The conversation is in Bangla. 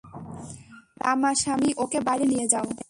রামাসামি, ওকে বাইরে নিয়ে যাও।